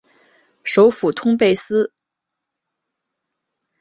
首府通贝斯。